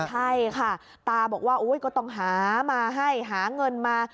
ใช่ค่ะตาบอกว่าก็ต้องหามาให้หาเงินมา